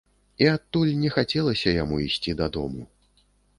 І адтуль не хацелася яму ісці дадому.